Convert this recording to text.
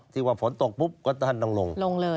ที่ว่าฝนตกปุ๊บก็ท่านต้องลงลงเลย